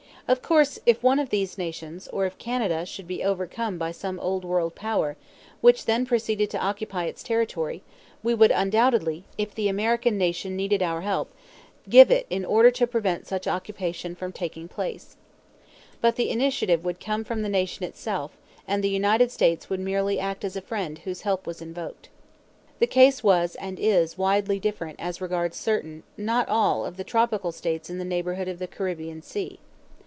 Of course if one of these nations, or if Canada, should be overcome by some Old World power, which then proceeded to occupy its territory, we would undoubtedly, if the American Nation needed our help, give it in order to prevent such occupation from taking place. But the initiative would come from the Nation itself, and the United States would merely act as a friend whose help was invoked. The case was (and is) widely different as regards certain not all of the tropical states in the neighborhood of the Caribbean Sea.